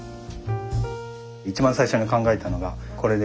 一番最初に考えたのがこれで。